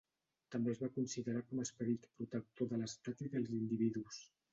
També es va considerar com a esperit protector de l'estat i dels individus.